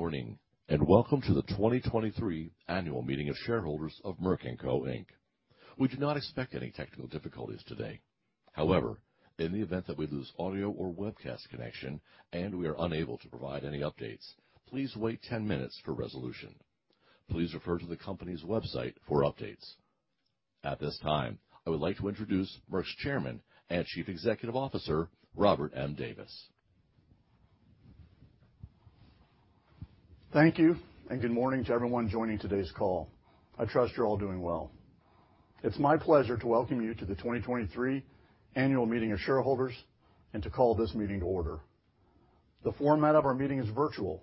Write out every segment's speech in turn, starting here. Good morning, welcome to the 2023 Annual Meeting of Shareholders of Merck & Co., Inc. We do not expect any technical difficulties today. In the event that we lose audio or webcast connection and we are unable to provide any updates, please wait 10 minutes for resolution. Please refer to the company's website for updates. At this time, I would like to introduce Merck's Chairman and Chief Executive Officer, Robert M. Davis. Thank you. Good morning to everyone joining today's call. I trust you're all doing well. It's my pleasure to welcome you to the 2023 Annual Meeting of Shareholders and to call this meeting to order. The format of our meeting is virtual,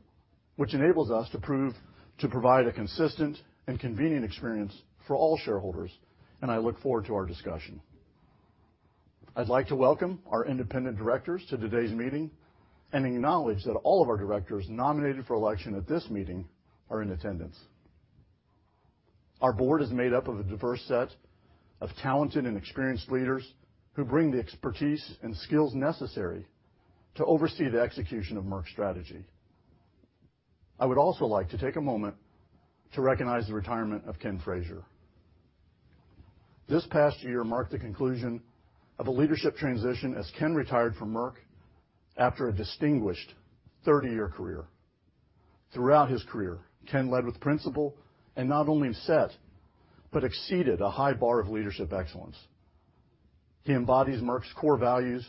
which enables us to provide a consistent and convenient experience for all shareholders. I look forward to our discussion. I'd like to welcome our independent directors to today's meeting and acknowledge that all of our directors nominated for election at this meeting are in attendance. Our board is made up of a diverse set of talented and experienced leaders who bring the expertise and skills necessary to oversee the execution of Merck's strategy. I would also like to take a moment to recognize the retirement of Ken Frazier. This past year marked the conclusion of a leadership transition as Ken retired from Merck after a distinguished 30-year career. Throughout his career, Ken led with principle and not only set, but exceeded a high bar of leadership excellence. He embodies Merck's core values,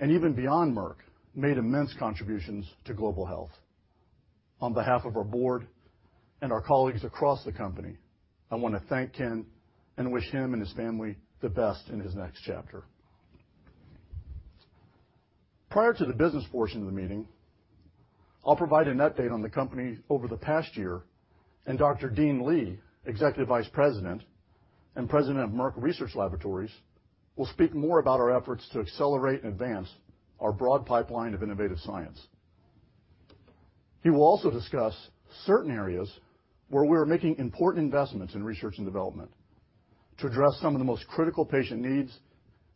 and even beyond Merck, made immense contributions to global health. On behalf of our board and our colleagues across the company, I wanna thank Ken and wish him and his family the best in his next chapter. Prior to the business portion of the meeting, I'll provide an update on the company over the past year, and Dr. Dean Li, Executive Vice President and President of Merck Research Laboratories, will speak more about our efforts to accelerate and advance our broad pipeline of innovative science. He will also discuss certain areas where we're making important investments in research and development to address some of the most critical patient needs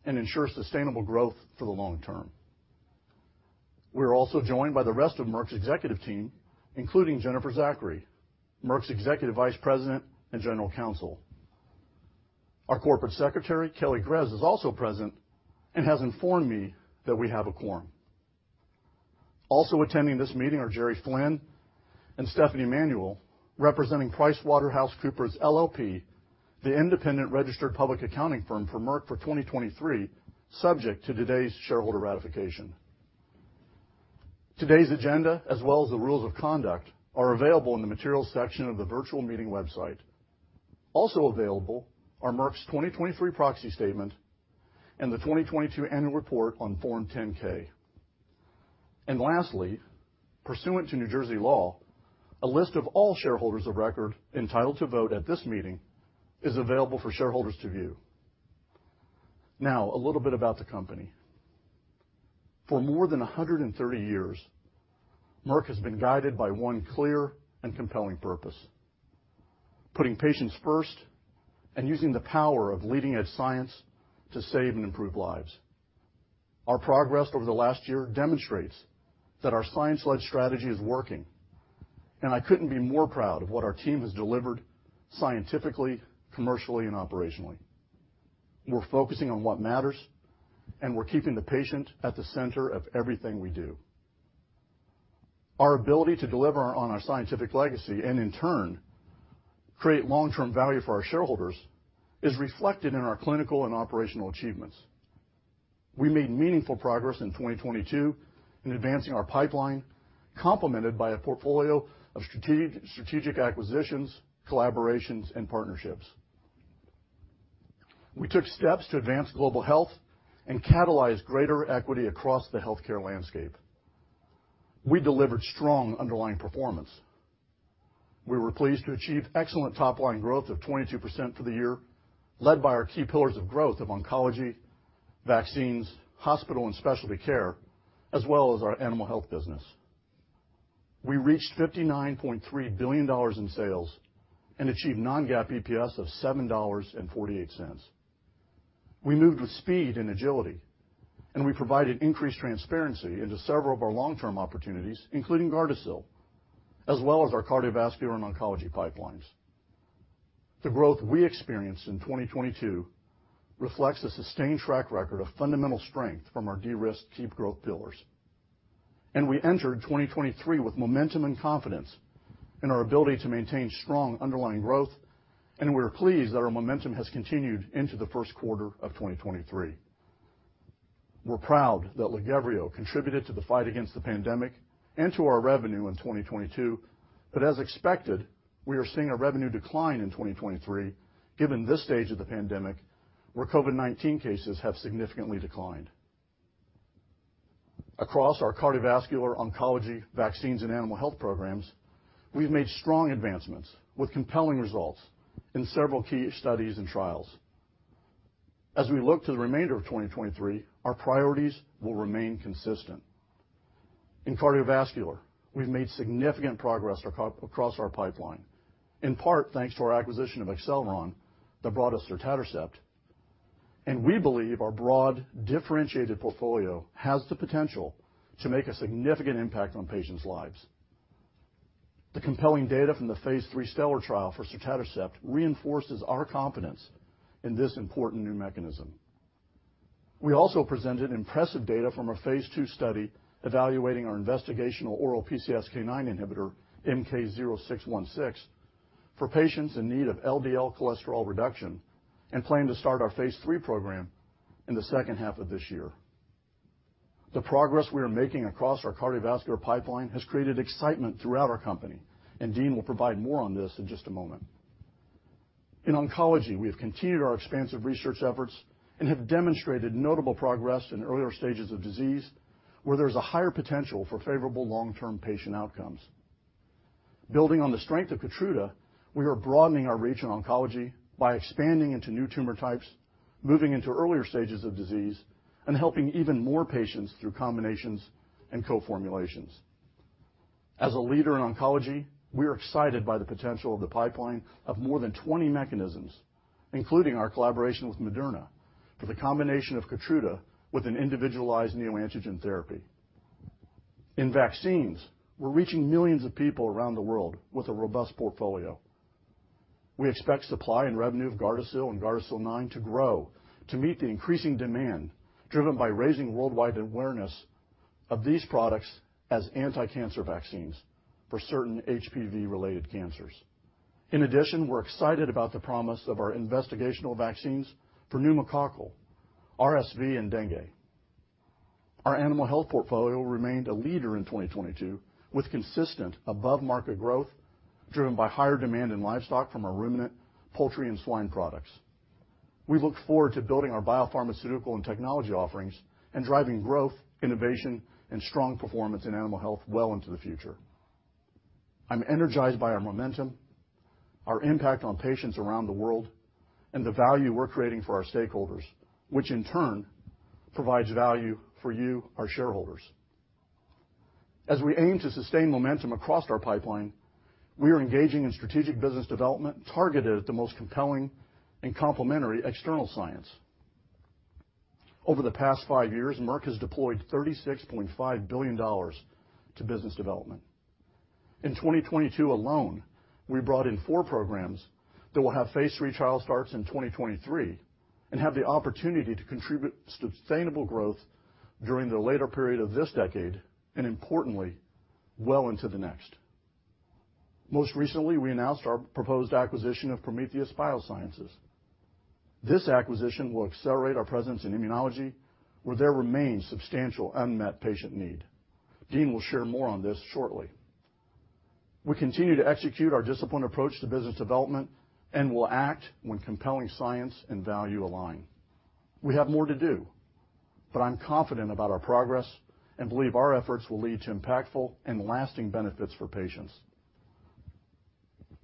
and ensure sustainable growth for the long term. We're also joined by the rest of Merck's executive team, including Jennifer Zachary, Merck's Executive Vice President and General Counsel. Our Corporate Secretary, Kelly Grez, is also present and has informed me that we have a quorum. Also attending this meeting are Jerry Flynn and Stephanie Manuel, representing PricewaterhouseCoopers LLP, the independent registered public accounting firm for Merck for 2023, subject to today's shareholder ratification. Today's agenda, as well as the rules of conduct, are available in the materials section of the virtual meeting website. Also available are Merck's 2023 proxy statement and the 2022 annual report on Form 10-K. Lastly, pursuant to New Jersey law, a list of all shareholders of record entitled to vote at this meeting is available for shareholders to view. Now, a little bit about the company. For more than 130 years, Merck has been guided by one clear and compelling purpose, putting patients first and using the power of leading-edge science to save and improve lives. Our progress over the last year demonstrates that our science-led strategy is working, I couldn't be more proud of what our team has delivered scientifically, commercially and operationally. We're focusing on what matters, we're keeping the patient at the center of everything we do. Our ability to deliver on our scientific legacy, in turn, create long-term value for our shareholders, is reflected in our clinical and operational achievements. We made meaningful progress in 2022 in advancing our pipeline, complemented by a portfolio of strategic acquisitions, collaborations and partnerships. We took steps to advance global health and catalyze greater equity across the healthcare landscape. We delivered strong underlying performance. We were pleased to achieve excellent top line growth of 22% for the year, led by our key pillars of growth of oncology, vaccines, hospital and specialty care, as well as our animal health business. We reached $59.3 billion in sales and achieved non-GAAP EPS of $7.48. We moved with speed and agility. We provided increased transparency into several of our long-term opportunities, including GARDASIL, as well as our cardiovascular and oncology pipelines. The growth we experienced in 2022 reflects a sustained track record of fundamental strength from our de-risked, tiered growth pillars. We entered 2023 with momentum and confidence in our ability to maintain strong underlying growth, and we are pleased that our momentum has continued into the first quarter of 2023. We're proud that LAGEVRIO contributed to the fight against the pandemic and to our revenue in 2022, as expected, we are seeing a revenue decline in 2023, given this stage of the pandemic where COVID-19 cases have significantly declined. Across our cardiovascular, oncology, vaccines, and animal health programs, we've made strong advancements with compelling results in several key studies and trials. As we look to the remainder of 2023, our priorities will remain consistent. In cardiovascular, we've made significant progress across our pipeline, in part thanks to our acquisition of Acceleron that brought us sotatercept. We believe our broad differentiated portfolio has the potential to make a significant impact on patients' lives. The compelling data from the Phase III STELLAR trial for sotatercept reinforces our confidence in this important new mechanism. We also presented impressive data from a Phase II study evaluating our investigational oral PCSK9 inhibitor, MK-0616, for patients in need of LDL cholesterol reduction and plan to start our Phase III program in the second half of this year. The progress we are making across our cardiovascular pipeline has created excitement throughout our company. Dean will provide more on this in just a moment. In oncology, we have continued our expansive research efforts and have demonstrated notable progress in earlier stages of disease where there's a higher potential for favorable long-term patient outcomes. Building on the strength of KEYTRUDA, we are broadening our reach in oncology by expanding into new tumor types, moving into earlier stages of disease, and helping even more patients through combinations and co-formulations. As a leader in oncology, we are excited by the potential of the pipeline of more than 20 mechanisms, including our collaboration with Moderna for the combination of KEYTRUDA with an individualized neoantigen therapy. In vaccines, we're reaching millions of people around the world with a robust portfolio. We expect supply and revenue of GARDASIL and GARDASIL 9 to grow to meet the increasing demand, driven by raising worldwide awareness of these products as anti-cancer vaccines for certain HPV-related cancers. In addition, we're excited about the promise of our investigational vaccines for pneumococcal, RSV, and dengue. Our animal health portfolio remained a leader in 2022, with consistent above-market growth driven by higher demand in livestock from our ruminant, poultry, and swine products. We look forward to building our biopharmaceutical and technology offerings and driving growth, innovation, and strong performance in animal health well into the future. I'm energized by our momentum, our impact on patients around the world, and the value we're creating for our stakeholders, which in turn provides value for you, our shareholders. As we aim to sustain momentum across our pipeline, we are engaging in strategic business development targeted at the most compelling and complementary external science. Over the past five years, Merck has deployed $36.5 billion to business development. In 2022 alone, we brought in four programs that will have Phase III trial starts in 2023 and have the opportunity to contribute sustainable growth during the later period of this decade and importantly, well into the next. Most recently, we announced our proposed acquisition of Prometheus Biosciences. This acquisition will accelerate our presence in immunology, where there remains substantial unmet patient need. Dean will share more on this shortly. We continue to execute our disciplined approach to business development and will act when compelling science and value align. We have more to do, but I'm confident about our progress and believe our efforts will lead to impactful and lasting benefits for patients.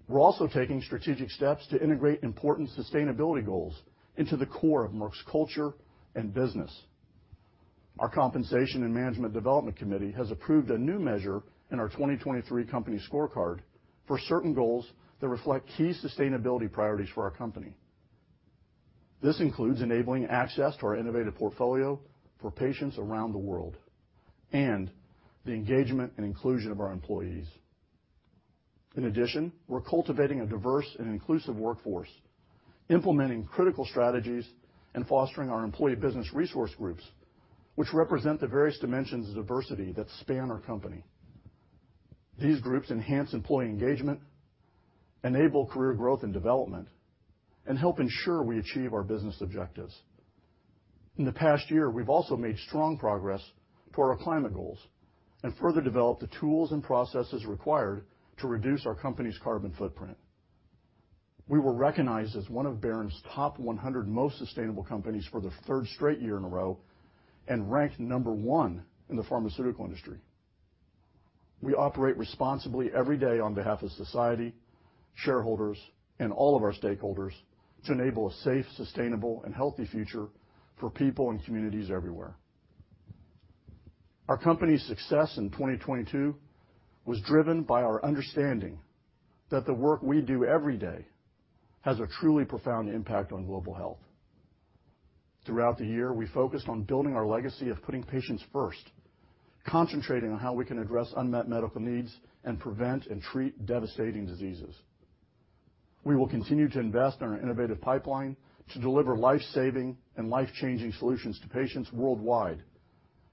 We're also taking strategic steps to integrate important sustainability goals into the core of Merck's culture and business. Our Compensation and Management Development Committee has approved a new measure in our 2023 company scorecard for certain goals that reflect key sustainability priorities for our company. This includes enabling access to our innovative portfolio for patients around the world and the engagement and inclusion of our employees. In addition, we're cultivating a diverse and inclusive workforce, implementing critical strategies, and fostering our employee business resource groups, which represent the various dimensions of diversity that span our company. These groups enhance employee engagement, enable career growth and development, and help ensure we achieve our business objectives. In the past year, we've also made strong progress toward our climate goals and further developed the tools and processes required to reduce our company's carbon footprint. We were recognized as one of Barron's top 100 most sustainable companies for the 3rd straight year in a row and ranked number one in the pharmaceutical industry. We operate responsibly every day on behalf of society, shareholders, and all of our stakeholders to enable a safe, sustainable, and healthy future for people and communities everywhere. Our company's success in 2022 was driven by our understanding that the work we do every day has a truly profound impact on global health. Throughout the year, we focused on building our legacy of putting patients first, concentrating on how we can address unmet medical needs and prevent and treat devastating diseases. We will continue to invest in our innovative pipeline to deliver life-saving and life-changing solutions to patients worldwide,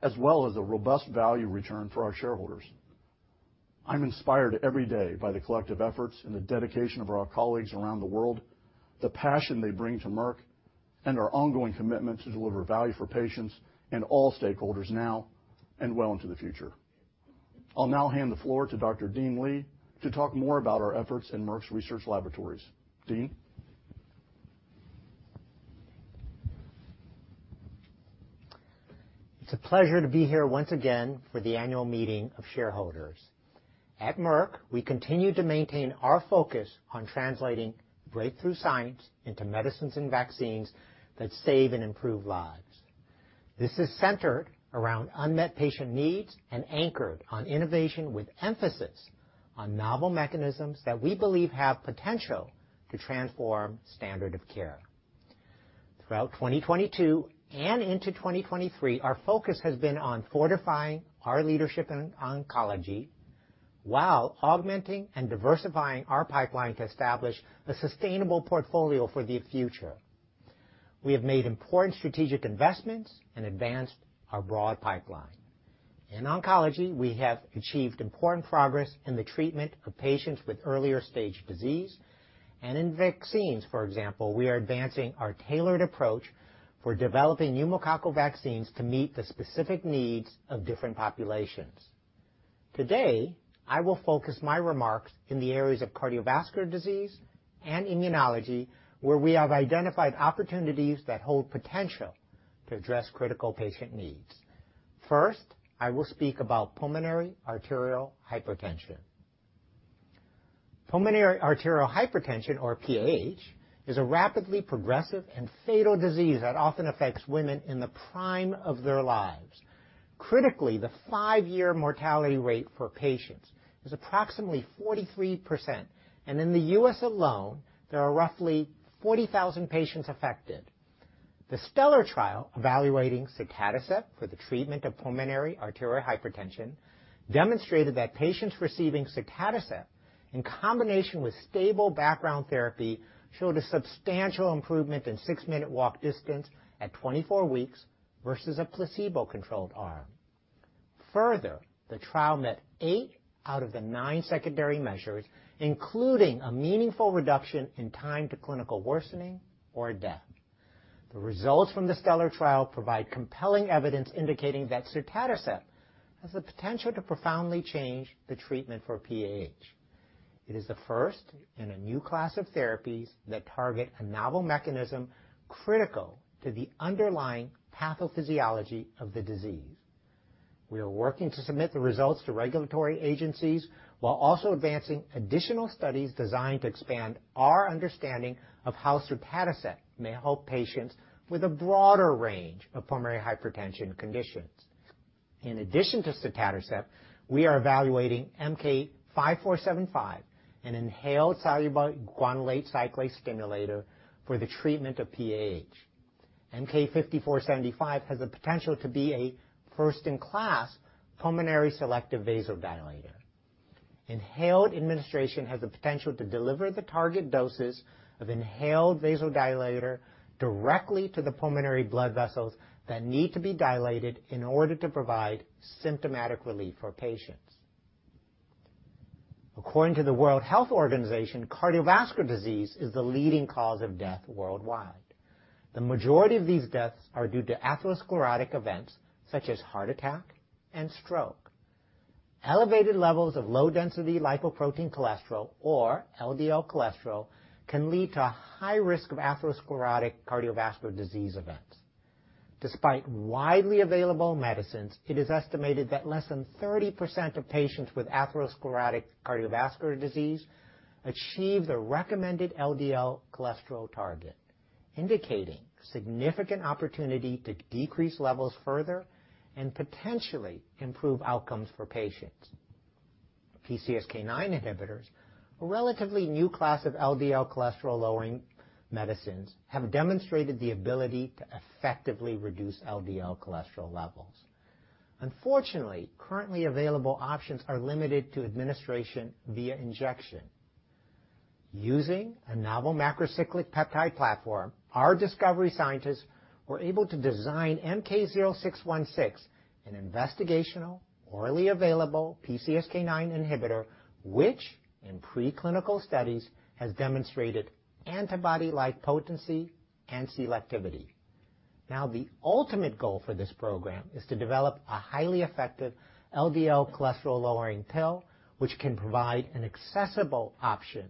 as well as a robust value return for our shareholders. I'm inspired every day by the collective efforts and the dedication of our colleagues around the world, the passion they bring to Merck, and our ongoing commitment to deliver value for patients and all stakeholders now and well into the future. I'll now hand the floor to Dr. Dean Li to talk more about our efforts in Merck's Research Laboratories. Dean? It's a pleasure to be here once again for the annual meeting of shareholders. At Merck, we continue to maintain our focus on translating breakthrough science into medicines and vaccines that save and improve lives. This is centered around unmet patient needs and anchored on innovation with emphasis on novel mechanisms that we believe have potential to transform standard of care. Throughout 2022 and into 2023, our focus has been on fortifying our leadership in oncology while augmenting and diversifying our pipeline to establish a sustainable portfolio for the future. We have made important strategic investments and advanced our broad pipeline. In oncology, we have achieved important progress in the treatment of patients with earlier stage disease, and in vaccines, for example, we are advancing our tailored approach for developing pneumococcal vaccines to meet the specific needs of different populations. Today, I will focus my remarks in the areas of cardiovascular disease and immunology, where we have identified opportunities that hold potential to address critical patient needs. First, I will speak about pulmonary arterial hypertension. Pulmonary arterial hypertension, or PAH, is a rapidly progressive and fatal disease that often affects women in the prime of their lives. Critically, the five-year mortality rate for patients is approximately 43%, and in the U.S. alone, there are roughly 40,000 patients affected. The STELLAR Trial evaluating sotatercept for the treatment of pulmonary arterial hypertension demonstrated that patients receiving sotatercept in combination with stable background therapy showed a substantial improvement in six-minute walk distance at 24 weeks versus a placebo-controlled arm. The trial met eight out of the nine secondary measures, including a meaningful reduction in time to clinical worsening or death. The results from the STELLAR Trial provide compelling evidence indicating that sotatercept has the potential to profoundly change the treatment for PAH. It is the first in a new class of therapies that target a novel mechanism critical to the underlying pathophysiology of the disease. We are working to submit the results to regulatory agencies while also advancing additional studies designed to expand our understanding of how sotatercept may help patients with a broader range of pulmonary hypertension conditions. In addition to sotatercept, we are evaluating MK-5475, an inhaled soluble guanylate cyclase stimulator for the treatment of PAH. MK-5475 has the potential to be a first-in-class pulmonary selective vasodilator. Inhaled administration has the potential to deliver the target doses of inhaled vasodilator directly to the pulmonary blood vessels that need to be dilated in order to provide symptomatic relief for patients. According to the World Health Organization, cardiovascular disease is the leading cause of death worldwide. The majority of these deaths are due to atherosclerotic events such as heart attack and stroke. Elevated levels of low-density lipoprotein cholesterol or LDL cholesterol can lead to a high risk of atherosclerotic cardiovascular disease events. Despite widely available medicines, it is estimated that less than 30% of patients with atherosclerotic cardiovascular disease achieve the recommended LDL cholesterol target, indicating significant opportunity to decrease levels further and potentially improve outcomes for patients. PCSK9 inhibitors, a relatively new class of LDL cholesterol-lowering medicines, have demonstrated the ability to effectively reduce LDL cholesterol levels. Unfortunately, currently available options are limited to administration via injection. Using a novel macrocyclic peptide platform, our discovery scientists were able to design MK-0616, an investigational orally available PCSK9 inhibitor, which in preclinical studies has demonstrated antibody-like potency and selectivity. The ultimate goal for this program is to develop a highly effective LDL cholesterol-lowering pill, which can provide an accessible option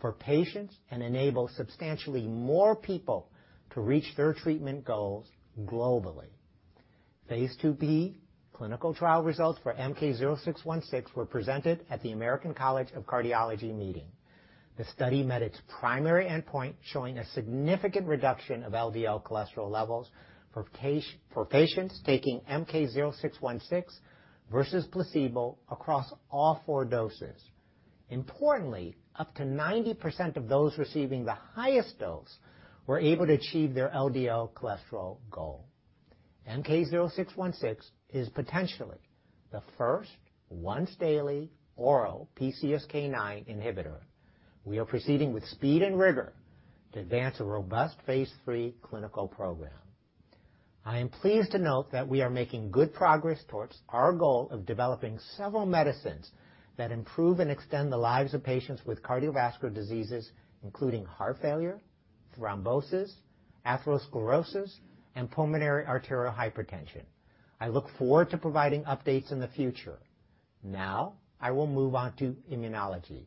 for patients and enable substantially more people to reach their treatment goals globally. Phase IIb clinical trial results for MK-0616 were presented at the American College of Cardiology meeting. The study met its primary endpoint, showing a significant reduction of LDL cholesterol levels for patients taking MK-0616 versus placebo across all four doses. Importantly, up to 90% of those receiving the highest dose were able to achieve their LDL cholesterol goal. MK-0616 is potentially the first once-daily oral PCSK9 inhibitor. We are proceeding with speed and rigor to advance a robust Phase III clinical program. I am pleased to note that we are making good progress towards our goal of developing several medicines that improve and extend the lives of patients with cardiovascular diseases, including heart failure, thrombosis, atherosclerosis, and pulmonary arterial hypertension. I look forward to providing updates in the future. Now I will move on to immunology.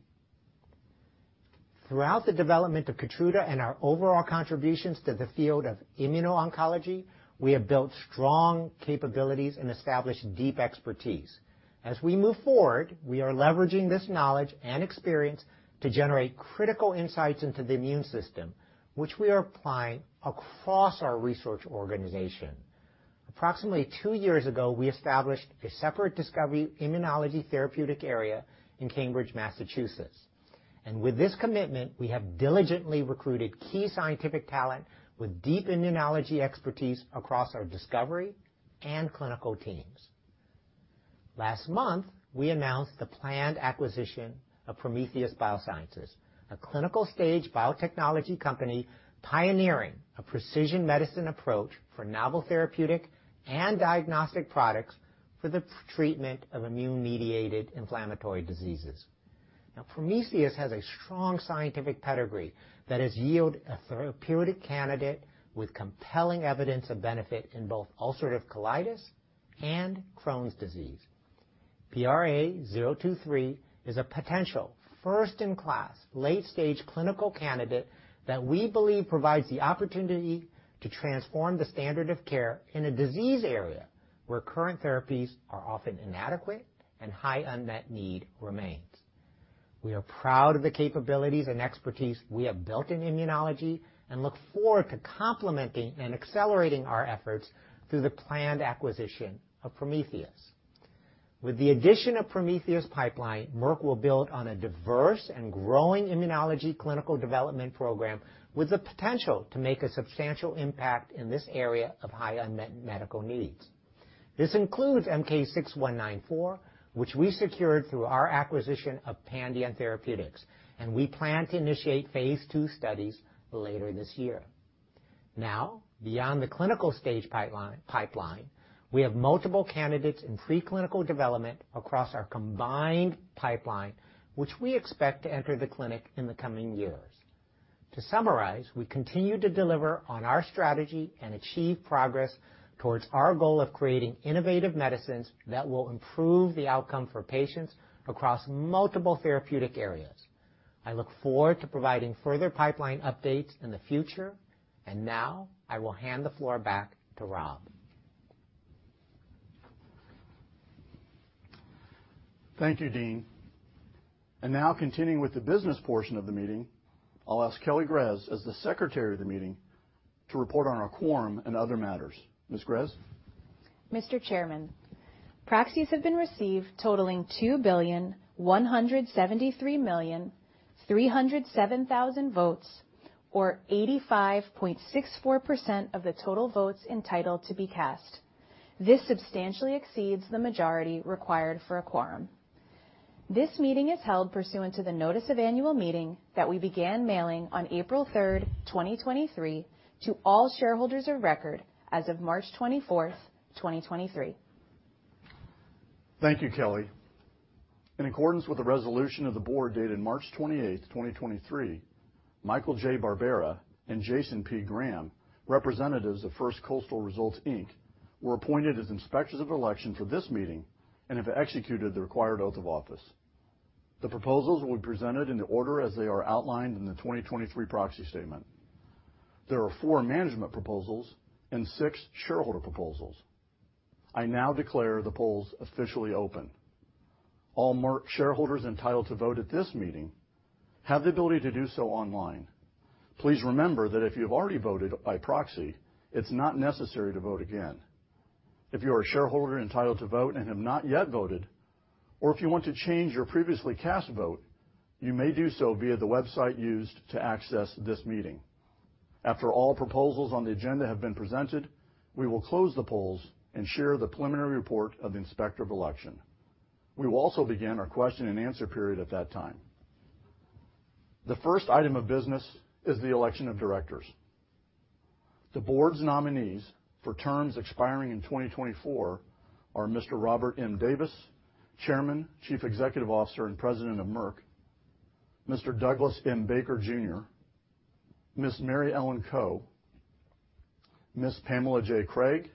Throughout the development of KEYTRUDA and our overall contributions to the field of immuno-oncology, we have built strong capabilities and established deep expertise. As we move forward, we are leveraging this knowledge and experience to generate critical insights into the immune system, which we are applying across our research organization. Approximately two years ago, we established a separate discovery immunology therapeutic area in Cambridge, Massachusetts. With this commitment, we have diligently recruited key scientific talent with deep immunology expertise across our discovery and clinical teams. Last month, we announced the planned acquisition of Prometheus Biosciences, a clinical stage biotechnology company pioneering a precision medicine approach for novel therapeutic and diagnostic products for the treatment of immune-mediated inflammatory diseases. Now, Prometheus has a strong scientific pedigree that has yielded a therapeutic candidate with compelling evidence of benefit in both ulcerative colitis and Crohn's disease. PRA 023 is a potential first-in-class late-stage clinical candidate that we believe provides the opportunity to transform the standard of care in a disease area where current therapies are often inadequate and high unmet need remains. We are proud of the capabilities and expertise we have built in immunology and look forward to complementing and accelerating our efforts through the planned acquisition of Prometheus. With the addition of Prometheus' pipeline, Merck will build on a diverse and growing immunology clinical development program with the potential to make a substantial impact in this area of high unmet medical needs. This includes MK-6194, which we secured through our acquisition of Pandion Therapeutics. We plan to initiate Phase II studies later this year. Beyond the clinical stage pipeline, we have multiple candidates in preclinical development across our combined pipeline, which we expect to enter the clinic in the coming years. To summarize, we continue to deliver on our strategy and achieve progress towards our goal of creating innovative medicines that will improve the outcome for patients across multiple therapeutic areas. I look forward to providing further pipeline updates in the future. Now I will hand the floor back to Rob. Thank you, Dean. Now continuing with the business portion of the meeting, I'll ask Kelly Grez as the Secretary of the meeting to report on our quorum and other matters. Ms. Grez? Mr. Chairman, proxies have been received totaling 2,173,307,000 votes, or 85.64% of the total votes entitled to be cast. This substantially exceeds the majority required for a quorum. This meeting is held pursuant to the notice of annual meeting that we began mailing on April 3, 2023 to all shareholders of record as of March 24, 2023. Thank you, Kelly. In accordance with the resolution of the Board dated March 28th, 2023, Michael J. Barbera and Jason P. Graham, representatives of First Coast Results, Inc., were appointed as inspectors of election for this meeting and have executed the required oath of office. The proposals will be presented in the order as they are outlined in the 2023 proxy statement. There are four management proposals and six shareholder proposals. I now declare the polls officially open. All Merck shareholders entitled to vote at this meeting have the ability to do so online. Please remember that if you've already voted by proxy, it's not necessary to vote again. If you are a shareholder entitled to vote and have not yet voted, or if you want to change your previously cast vote, you may do so via the website used to access this meeting. After all proposals on the agenda have been presented, we will close the polls and share the preliminary report of the Inspector of Election. We will also begin our question and answer period at that time. The first item of business is the election of directors. The board's nominees for terms expiring in 2024 are Mr. Robert M. Davis, Chairman, Chief Executive Officer, and President of Merck. Mr. Douglas M. Baker, Jr. Ms. Mary Ellen Coe. Ms. Pamela J. Craig.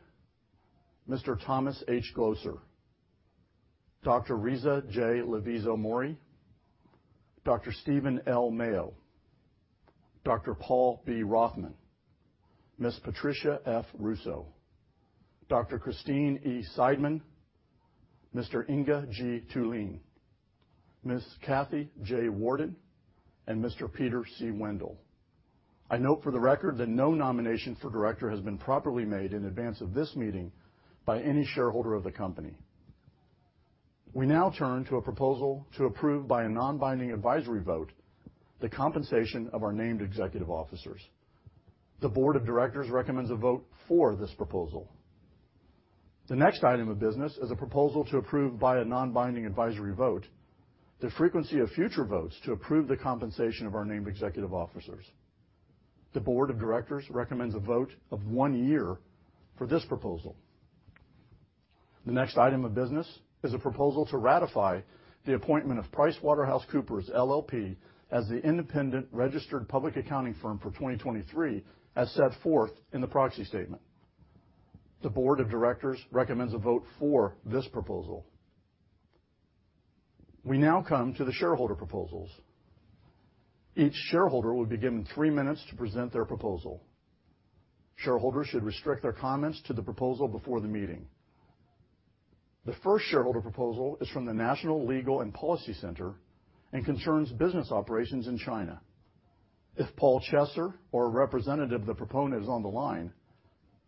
Mr. Thomas H. Glocer. Dr. Risa J. Lavizzo-Mourey. Dr. Stephen L. Mayo. Dr. Paul B. Rothman. Ms. Patricia F. Russo. Dr. Christine E. Seidman. Mr. Inge G. Thulin. Ms. Kathy J. Warden and Mr. Peter C. Wendell. I note for the record that no nomination for director has been properly made in advance of this meeting by any shareholder of the company. We now turn to a proposal to approve by a non-binding advisory vote the compensation of our named executive officers. The Board of Directors recommends a vote for this proposal. The next item of business is a proposal to approve by a non-binding advisory vote the frequency of future votes to approve the compensation of our named executive officers. The Board of Directors recommends a vote of one year for this proposal. The next item of business is a proposal to ratify the appointment of PricewaterhouseCoopers LLP as the independent registered public accounting firm for 2023 as set forth in the proxy statement. The Board of Directors recommends a vote for this proposal. We now come to the shareholder proposals. Each shareholder will be given three minutes to present their proposal. Shareholders should restrict their comments to the proposal before the meeting. The first shareholder proposal is from the National Legal and Policy Center and concerns business operations in China. If Paul Chesser or a representative of the proponent is on the line,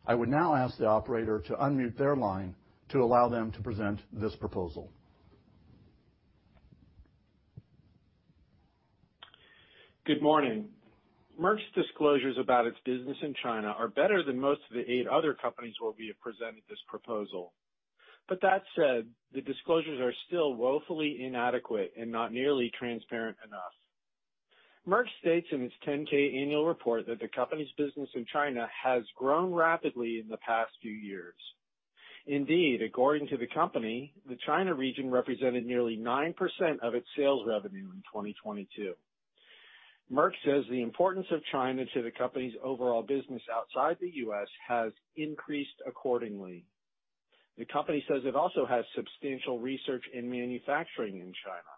I would now ask the operator to unmute their line to allow them to present this proposal. Good morning. Merck's disclosures about its business in China are better than most of the 8 other companies where we have presented this proposal. That said, the disclosures are still woefully inadequate and not nearly transparent enough. Merck states in its Form 10-K annual report that the company's business in China has grown rapidly in the past few years. Indeed, according to the company, the China region represented nearly 9% of its sales revenue in 2022. Merck says the importance of China to the company's overall business outside the U.S. has increased accordingly. The company says it also has substantial research and manufacturing in China.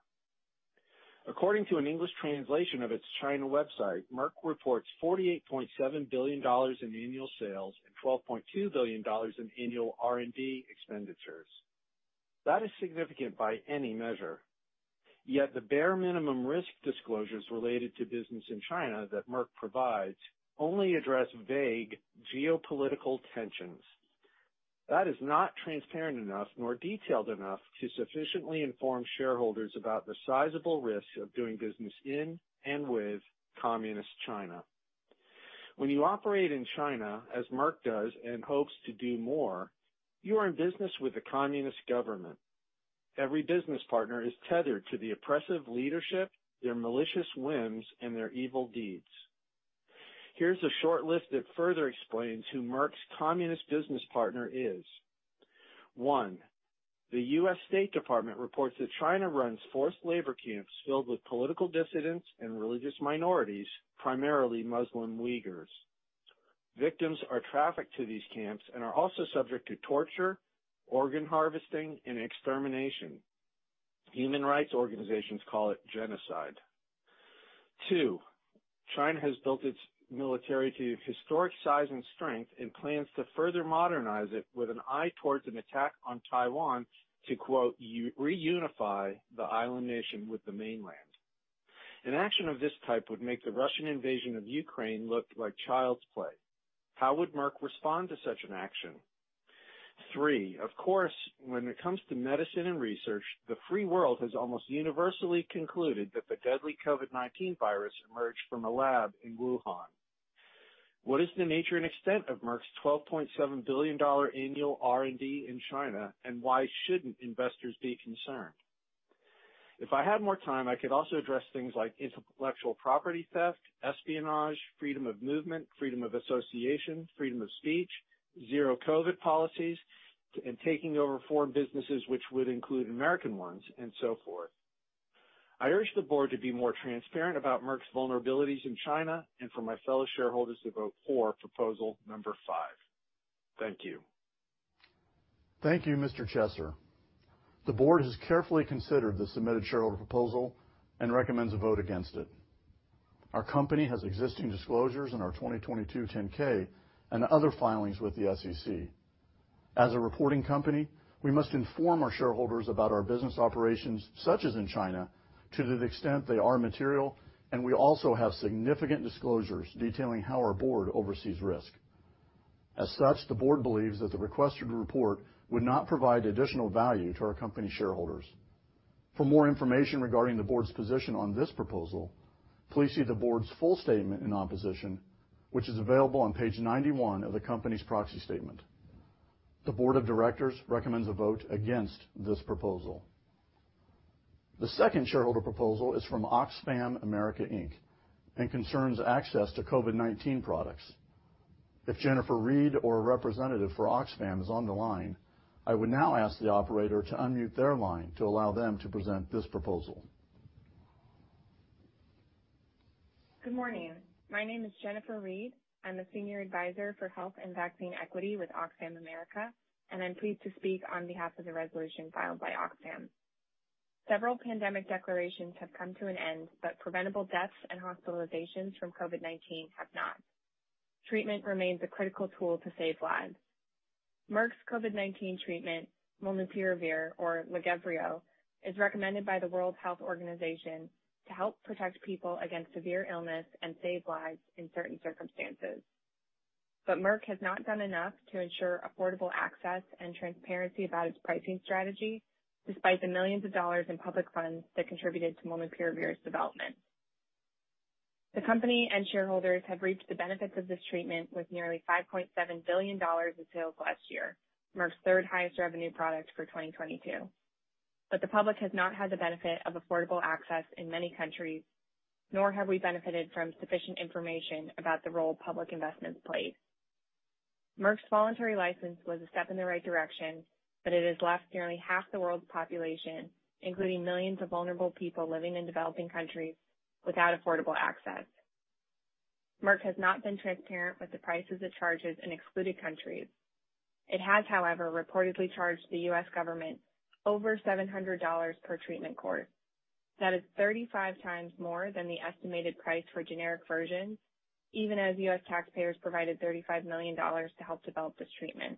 According to an English translation of its China website, Merck reports $48.7 billion in annual sales and $12.2 billion in annual R&D expenditures. That is significant by any measure. The bare minimum risk disclosures related to business in China that Merck provides only address vague geopolitical tensions. That is not transparent enough nor detailed enough to sufficiently inform shareholders about the sizable risks of doing business in and with Communist China. When you operate in China, as Merck does, and hopes to do more, you are in business with the communist government. Every business partner is tethered to the oppressive leadership, their malicious whims, and their evil deeds. Here's a short list that further explains who Merck's communist business partner is. One. The U.S. State Department reports that China runs forced labor camps filled with political dissidents and religious minorities, primarily Muslim Uyghurs. Victims are trafficked to these camps and are also subject to torture, organ harvesting, and extermination. Human rights organizations call it genocide. Two, China has built its military to historic size and strength and plans to further modernize it with an eye towards an attack on Taiwan to, quote, "reunify the island nation with the mainland." An action of this type would make the Russian invasion of Ukraine look like child's play. How would Merck respond to such an action? Three, of course, when it comes to medicine and research, the free world has almost universally concluded that the deadly COVID-19 virus emerged from a lab in Wuhan. What is the nature and extent of Merck's $12.7 billion annual R&D in China, and why shouldn't investors be concerned? If I had more time, I could also address things like intellectual property theft, espionage, freedom of movement, freedom of association, freedom of speech, zero COVID policies, and taking over foreign businesses which would include American ones, and so forth. I urge the board to be more transparent about Merck's vulnerabilities in China and for my fellow shareholders to vote for proposal number five. Thank you. Thank you, Mr. Chesser. The board has carefully considered the submitted shareholder proposal and recommends a vote against it. Our company has existing disclosures in our 2022 Form 10-K and other filings with the SEC. As a reporting company, we must inform our shareholders about our business operations, such as in China, to the extent they are material, and we also have significant disclosures detailing how our board oversees risk. As such, the board believes that the requested report would not provide additional value to our company shareholders. For more information regarding the board's position on this proposal, please see the board's full statement in opposition, which is available on page 91 of the company's proxy statement. The board of directors recommends a vote against this proposal. The second shareholder proposal is from Oxfam America, Inc. Concerns access to COVID-19 products. If Jennifer Reid or a representative for Oxfam is on the line, I would now ask the operator to unmute their line to allow them to present this proposal. Good morning. My name is Jennifer Reid. I'm the Senior Advisor for Health and Vaccine Equity with Oxfam America, and I'm pleased to speak on behalf of the resolution filed by Oxfam. Several pandemic declarations have come to an end, but preventable deaths and hospitalizations from COVID-19 have not. Treatment remains a critical tool to save lives. Merck's COVID-19 treatment, molnupiravir or Lagevrio, is recommended by the World Health Organization to help protect people against severe illness and save lives in certain circumstances. Merck has not done enough to ensure affordable access and transparency about its pricing strategy, despite the millions of dollars in public funds that contributed to molnupiravir's development. The company and shareholders have reaped the benefits of this treatment with nearly $5.7 billion in sales last year, Merck's third highest revenue product for 2022. The public has not had the benefit of affordable access in many countries, nor have we benefited from sufficient information about the role public investments played. Merck's voluntary license was a step in the right direction. It has left nearly half the world's population, including millions of vulnerable people living in developing countries, without affordable access. Merck has not been transparent with the prices it charges in excluded countries. It has, however, reportedly charged the U.S. government over $700 per treatment course. That is 35x more than the estimated price for generic versions, even as U.S. taxpayers provided $35 million to help develop this treatment.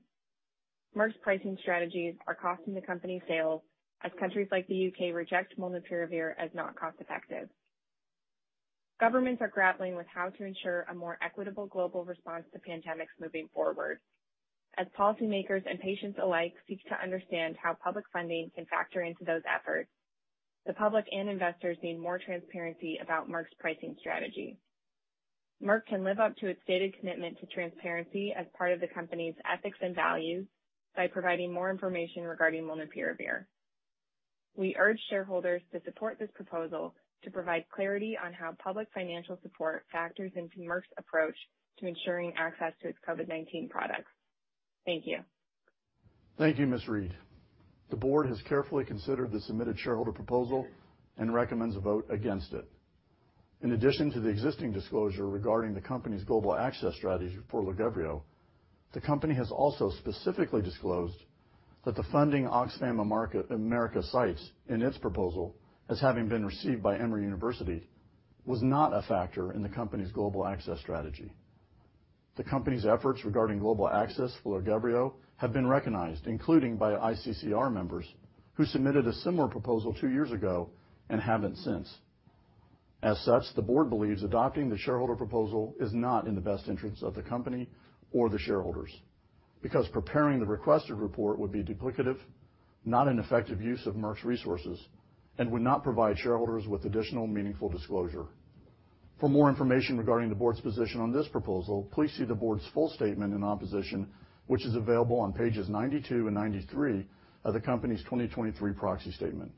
Merck's pricing strategies are costing the company sales as countries like the U.K. reject molnupiravir as not cost effective. Governments are grappling with how to ensure a more equitable global response to pandemics moving forward. As policymakers and patients alike seek to understand how public funding can factor into those efforts, the public and investors need more transparency about Merck's pricing strategy. Merck can live up to its stated commitment to transparency as part of the company's ethics and values by providing more information regarding molnupiravir. We urge shareholders to support this proposal to provide clarity on how public financial support factors into Merck's approach to ensuring access to its COVID-19 products. Thank you. Thank you, Ms. Reid. The board has carefully considered the submitted shareholder proposal and recommends a vote against it. In addition to the existing disclosure regarding the company's global access strategy for LAGEVRIO, the company has also specifically disclosed that the funding Oxfam America cites in its proposal as having been received by Emory University was not a factor in the company's global access strategy. The company's efforts regarding global access for LAGEVRIO have been recognized, including by ICCR members who submitted a similar proposal two years ago and haven't since. As such, the board believes adopting the shareholder proposal is not in the best interest of the company or the shareholders because preparing the requested report would be duplicative, not an effective use of Merck's resources, and would not provide shareholders with additional meaningful disclosure. For more information regarding the board's position on this proposal, please see the board's full statement in opposition, which is available on pages 92 and 93 of the company's 2023 proxy statement.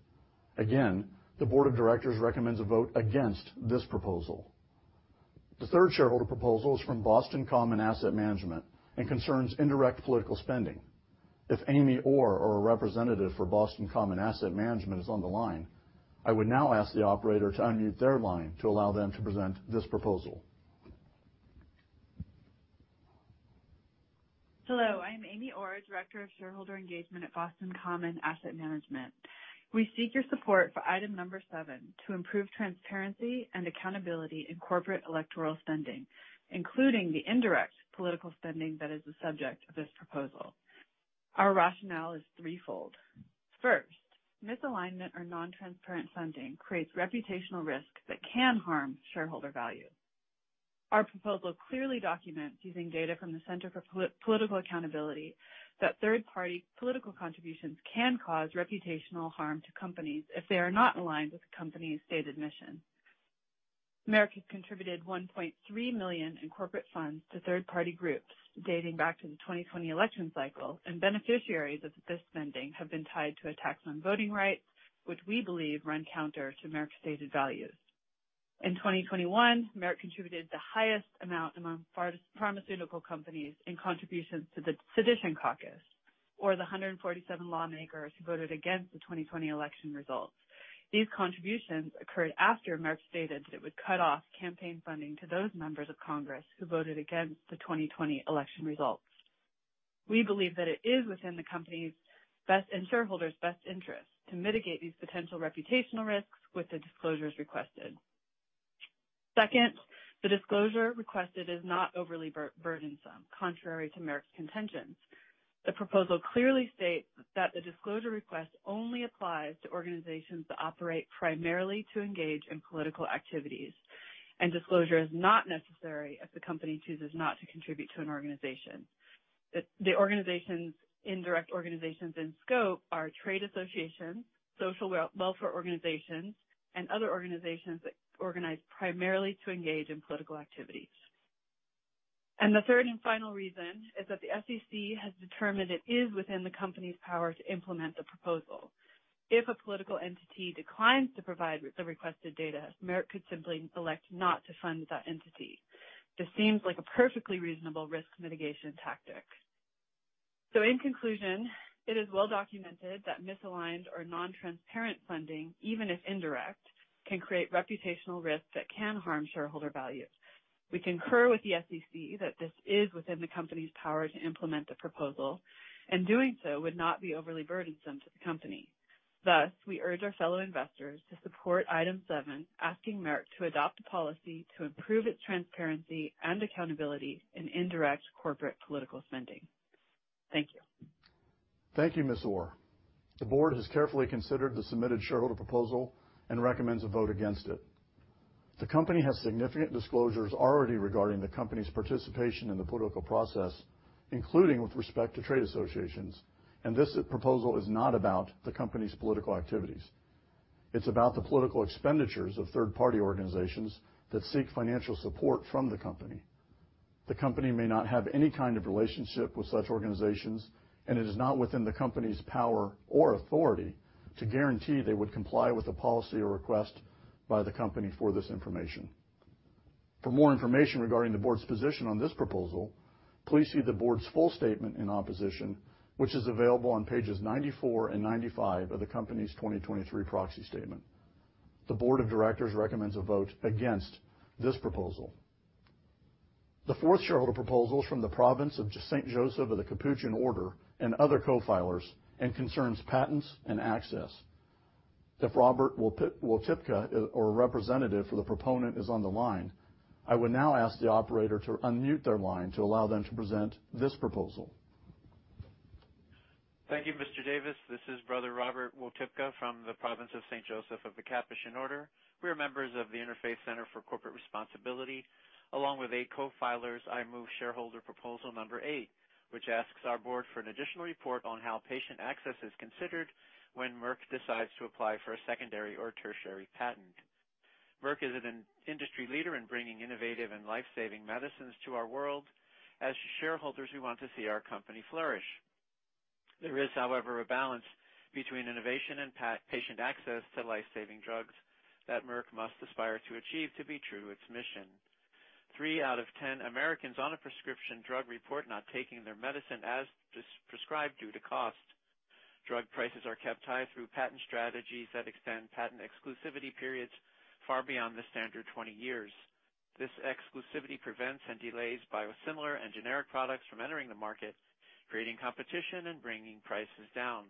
Again, the board of directors recommends a vote against this proposal. The third shareholder proposal is from Boston Common Asset Management and concerns indirect political spending. If Amy Orr or a representative for Boston Common Asset Management is on the line, I would now ask the operator to unmute their line to allow them to present this proposal. Hello, I am Amy Orr, Director of Shareholder Engagement at Boston Common Asset Management. We seek your support for item number seven to improve transparency and accountability in corporate electoral spending, including the indirect political spending that is the subject of this proposal. Our rationale is threefold. First, misalignment or non-transparent funding creates reputational risk that can harm shareholder value. Our proposal clearly documents, using data from the Center for Political Accountability, that third-party political contributions can cause reputational harm to companies if they are not aligned with the company's stated mission. Merck has contributed $1.3 million in corporate funds to third-party groups dating back to the 2020 election cycle, and beneficiaries of this spending have been tied to attacks on voting rights, which we believe run counter to Merck's stated values. In 2021, Merck contributed the highest amount among pharmaceutical companies in contributions to the Sedition Caucus, or the 147 lawmakers who voted against the 2020 election results. These contributions occurred after Merck stated that it would cut off campaign funding to those members of Congress who voted against the 2020 election results. We believe that it is within the company's best, and shareholders' best interest to mitigate these potential reputational risks with the disclosures requested. Second, the disclosure requested is not overly burdensome, contrary to Merck's contentions. The proposal clearly states that the disclosure request only applies to organizations that operate primarily to engage in political activities. Disclosure is not necessary if the company chooses not to contribute to an organization. The organization's indirect organizations in scope are trade associations, social welfare organizations, and other organizations that organize primarily to engage in political activities. The third and final reason is that the SEC has determined it is within the company's power to implement the proposal. If a political entity declines to provide the requested data, Merck could simply elect not to fund that entity. This seems like a perfectly reasonable risk mitigation tactic. In conclusion, it is well documented that misaligned or non-transparent funding, even if indirect, can create reputational risks that can harm shareholder value. We concur with the SEC that this is within the company's power to implement the proposal and doing so would not be overly burdensome to the company. We urge our fellow investors to support item seven, asking Merck to adopt a policy to improve its transparency and accountability in indirect corporate political spending. Thank you. Thank you, Ms. Orr. The board has carefully considered the submitted shareholder proposal and recommends a vote against it. The company has significant disclosures already regarding the company's participation in the political process, including with respect to trade associations. This proposal is not about the company's political activities. It's about the political expenditures of third-party organizations that seek financial support from the company. The company may not have any kind of relationship with such organizations. It is not within the company's power or authority to guarantee they would comply with a policy or request by the company for this information. For more information regarding the board's position on this proposal, please see the board's full statement in opposition, which is available on pages 94 and 95 of the company's 2023 proxy statement. The board of directors recommends a vote against this proposal. The fourth shareholder proposal is from the Province of Saint Joseph of the Capuchin Order and other co-filers and concerns patents and access. If Robert Wotypka or a representative for the proponent is on the line, I would now ask the operator to unmute their line to allow them to present this proposal. Thank you, Mr. Davis. This is Brother Robert Wotypka from the Province of St. Joseph of the Capuchin Order. We are members of the Interfaith Center on Corporate Responsibility. Along with eight co-filers, I move shareholder proposal number eight, which asks our board for an additional report on how patient access is considered when Merck decides to apply for a secondary or tertiary patent. Merck is an industry leader in bringing innovative and life-saving medicines to our world. As shareholders, we want to see our company flourish. There is, however, a balance between innovation and patient access to life-saving drugs that Merck must aspire to achieve to be true to its mission. Three out of 10 Americans on a prescription drug report not taking their medicine as prescribed due to cost. Drug prices are kept high through patent strategies that extend patent exclusivity periods far beyond the standard 20 years. This exclusivity prevents and delays biosimilar and generic products from entering the market, creating competition and bringing prices down.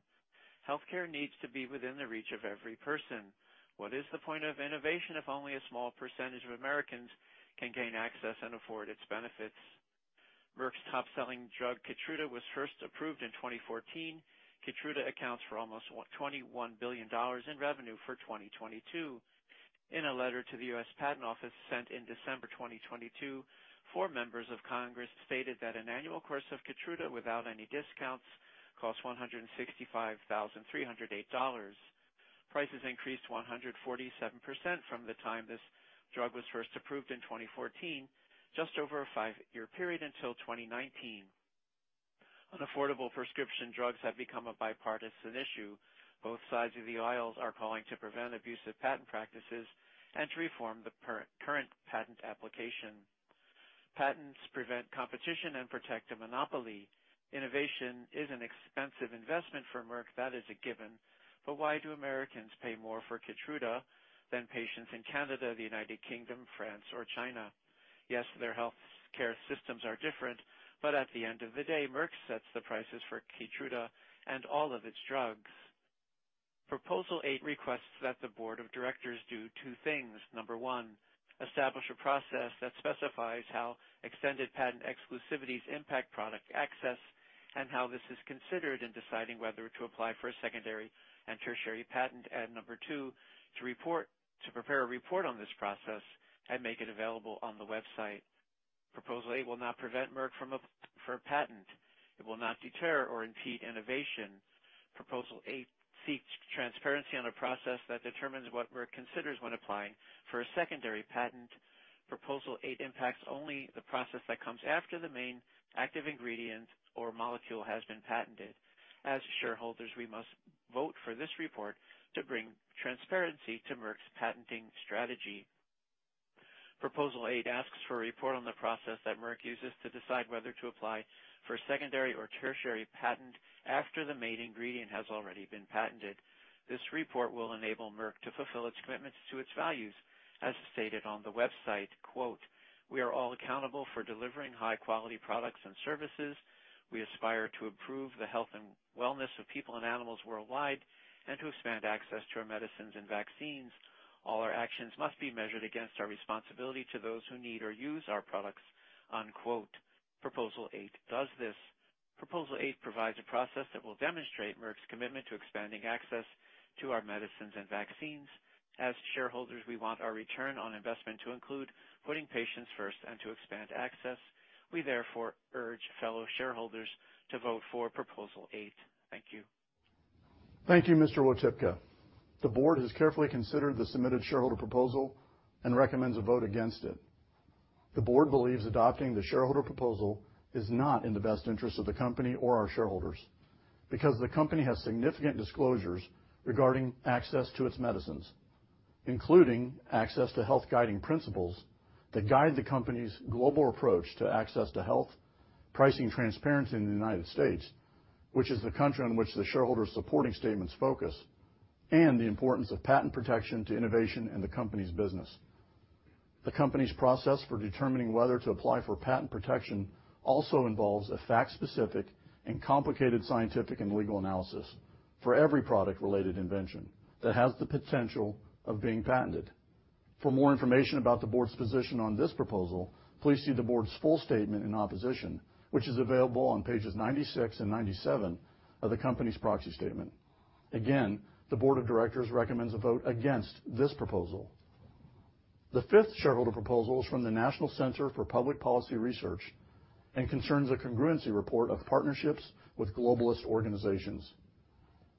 Healthcare needs to be within the reach of every person. What is the point of innovation if only a small percentage of Americans can gain access and afford its benefits? Merck's top-selling drug, KEYTRUDA, was first approved in 2014. KEYTRUDA accounts for almost $21 billion in revenue for 2022. In a letter to the U.S. Patent Office sent in December 2022, four members of Congress stated that an annual course of KEYTRUDA without any discounts costs $165,308. Prices increased 147% from the time this drug was first approved in 2014, just over a five-year period until 2019. Unaffordable prescription drugs have become a bipartisan issue. Both sides of the aisles are calling to prevent abusive patent practices and to reform the current patent application. Patents prevent competition and protect a monopoly. Innovation is an expensive investment for Merck, that is a given, but why do Americans pay more for KEYTRUDA than patients in Canada, the United Kingdom, France or China? Yes, their healthcare systems are different, but at the end of the day, Merck sets the prices for KEYTRUDA and all of its drugs. Proposal 8 requests that the board of directors do two things. one, establish a process that specifies how extended patent exclusivities impact product access and how this is considered in deciding whether to apply for a secondary and tertiary patent. two, to prepare a report on this process and make it available on the website. Proposal 8 will not prevent Merck from a patent. It will not deter or impede innovation. Proposal 8 seeks transparency on a process that determines what Merck considers when applying for a secondary patent. Proposal 8 impacts only the process that comes after the main active ingredient or molecule has been patented. As shareholders, we must vote for this report to bring transparency to Merck's patenting strategy. Proposal 8 asks for a report on the process that Merck uses to decide whether to apply for secondary or tertiary patent after the main ingredient has already been patented. This report will enable Merck to fulfill its commitments to its values. As stated on the website, quote, "We are all accountable for delivering high-quality products and services. We aspire to improve the health and wellness of people and animals worldwide and to expand access to our medicines and vaccines. All our actions must be measured against our responsibility to those who need or use our products." Unquote. Proposal 8 does this. Proposal 8 provides a process that will demonstrate Merck's commitment to expanding access to our medicines and vaccines. As shareholders, we want our return on investment to include putting patients first and to expand access. We therefore urge fellow shareholders to vote for proposal 8. Thank you. Thank you, Mr. Wotypka. The board has carefully considered the submitted shareholder proposal and recommends a vote against it. The board believes adopting the shareholder proposal is not in the best interest of the company or our shareholders because the company has significant disclosures regarding access to its medicines, including access to health guiding principles that guide the company's global approach to access to health, pricing transparency in the United States, which is the country in which the shareholder supporting statements focus, and the importance of patent protection to innovation in the company's business. The company's process for determining whether to apply for patent protection also involves a fact-specific and complicated scientific and legal analysis for every product-related invention that has the potential of being patented. For more information about the board's position on this proposal, please see the board's full statement in opposition, which is available on pages 96 and 97 of the company's proxy statement. Again, the board of directors recommends a vote against this proposal. The fifth shareholder proposal is from the National Center for Public Policy Research, and concerns a congruency report of partnerships with globalist organizations.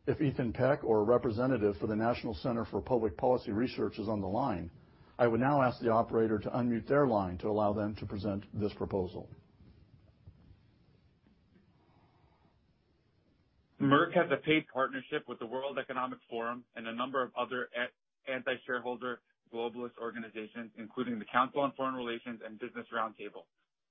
If Ethan Peck or a representative for the National Center for Public Policy Research is on the line, I would now ask the operator to unmute their line to allow them to present this proposal. Merck has a paid partnership with the World Economic Forum and a number of other anti-shareholder globalist organizations, including the Council on Foreign Relations and Business Roundtable.